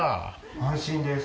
安心です。